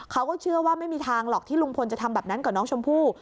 เขาก็เชื่อว่าไม่มีทางหรอกที่ลุงพลจะทำแบบนั้นกับน้องชมพู่